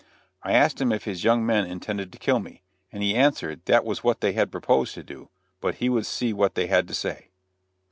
I asked him if his young men intended to kill me, and he answered, that was what they had proposed to do, but he would see what they had to say.